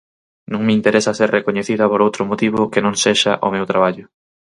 Non me interesa ser recoñecida por outro motivo que non sexa o meu traballo.